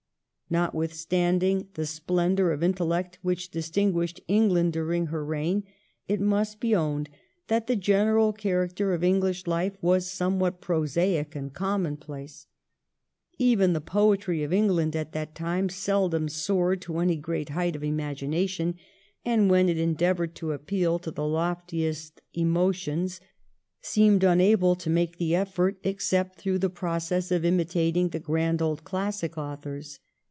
Notwithstanding the splendour of intellect which distinguished England during her reign, it must be owned that the general character of English life was somewhat prosaic and commonplace. Even the poetry of England at that time seldom soared to any great height of imagination, and when it endeavoured to appeal to the loftiest emotions seemed unable to make the effort except through the process of imitating the grand old classic authors.